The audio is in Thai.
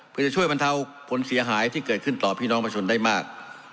เพื่อจะช่วยบรรเทาผลเสียหายที่เกิดขึ้นต่อพี่น้องประชาชนได้มาก